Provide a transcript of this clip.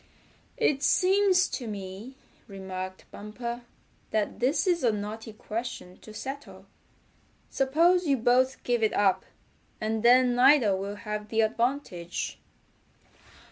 "It seems to me," remarked Bumper, "that this is a knotty question to settle. Suppose you both give it up, and then neither will have the advantage."